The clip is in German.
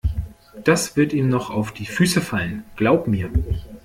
Das wird ihm noch auf die Füße fallen, glaub mir!